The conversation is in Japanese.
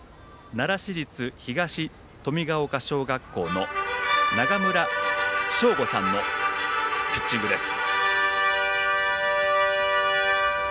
奈良市立東登美ヶ丘小学校の永村彰悟さんのピッチングです。